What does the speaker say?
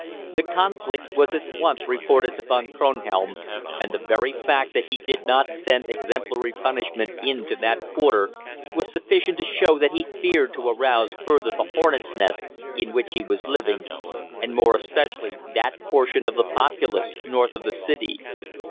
The conflict was at once reported to Von Kronhelm, and the very fact that he did not send exemplary punishment into that quarter was sufficient to show that he feared to arouse further the hornets' nest in which he was living, and more especially that portion of the populace north of the City.